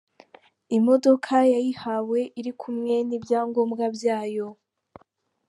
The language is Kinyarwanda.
Imodoka yayihawe iri kumwe n'ibyangombwa byayo.